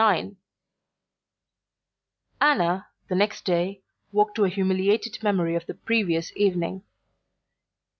XXXIX Anna, the next day, woke to a humiliated memory of the previous evening.